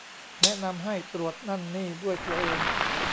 แนะนำให้ตรวจนั่นนี่ด้วยตัวเอง